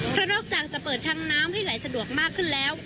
เพราะนอกจากจะเปิดทางน้ำให้ไหลสะดวกมากขึ้นแล้ว